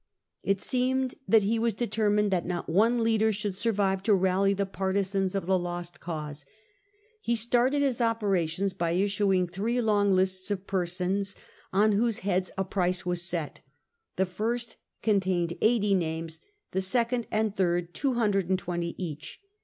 It seemed that he K SULLA 146 was determined that not one leader should survive to rally the partisans of the lost cause. He started his operations by issuing three long lists of persons on whose heads a price was set; the first contained 80 names, the second and third 220 each.